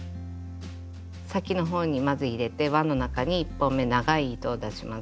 先の方にまず入れて輪の中に１本目長い糸を出します。